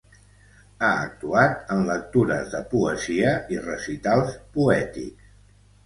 Ha actuat en lectures de poesia i recitals poètics.